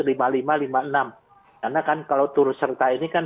karena kan kalau turut serta ini kan